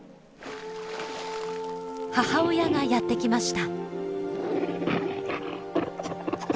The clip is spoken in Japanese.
母親がやって来ました。